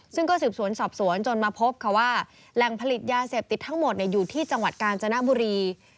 ซึ่งก็สืบสวนสอบสวนจนมาพบค่ะว่าแหล่งผลิตยาเสพติดทั้งหมดอยู่ที่จังหวัดกาญจนบุรี